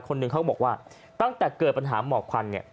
หนึ่งเขาก็บอกว่าตั้งแต่เกิดปัญหาหมอกควันเนี่ย